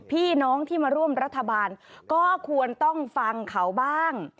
พี่น้องที่มาร่วมรัฐบาลก็ควรต้องฟังเขาบ้าง